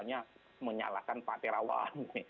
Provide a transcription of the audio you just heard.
menyalahkan pak jokowi menyalahkan pak terawan